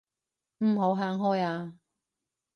唔好行開啊